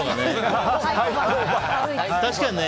確かにね。